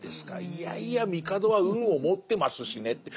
いやいや帝は運を持ってますしねって